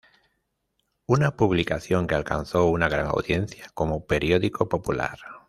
Una publicación que alcanzó una gran audiencia como periódico popular.